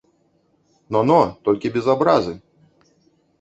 Но, но, толькі без абразы.